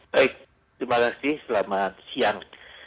baik terima kasih selamat siang